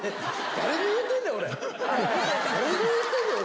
誰に言うてんねん、俺。